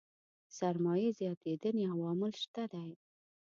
سرمايې زياتېدنې عوامل شته دي.